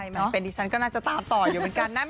มันเป็นดิฉันก็น่าจะตามต่ออยู่เหมือนกันนะ